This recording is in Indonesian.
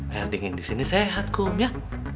air dingin disini sehat kum ya